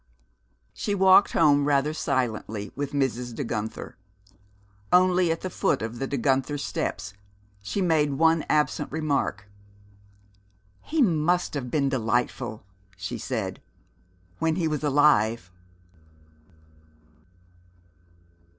She walked home rather silently with Mrs. De Guenther. Only at the foot of the De Guenther steps, she made one absent remark. "He must have been delightful," she said, "when he was alive!"